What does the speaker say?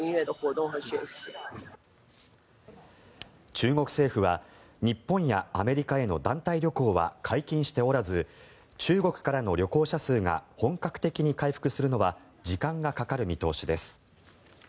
中国政府は日本やアメリカへの団体旅行は解禁しておらず中国からの旅行者数が本格的に回復するのは時間がかかる見通しです。